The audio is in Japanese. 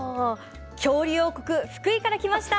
恐竜王国福井から来ました。